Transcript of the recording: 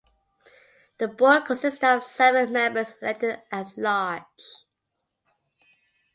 The board consisted of seven members elected at large.